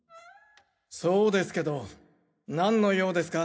そうですけど何の用ですか？